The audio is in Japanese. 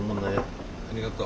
ありがとう。